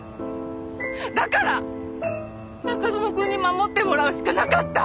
だから中園くんに守ってもらうしかなかった！